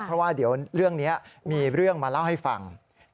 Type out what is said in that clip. เพราะว่าเดี๋ยวเรื่องนี้มีเรื่องมาเล่าให้ฟัง